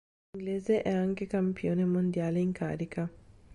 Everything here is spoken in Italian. L'inglese è anche campione mondiale in carica.